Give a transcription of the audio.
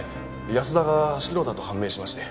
安田がシロだと判明しまして。